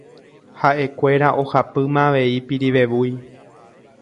Haʼekuéra ohapýma avei Pirivevúi.